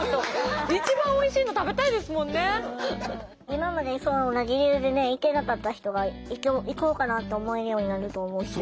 今まで同じ理由でね行けなかった人が行こうかなと思えるようになると思うし。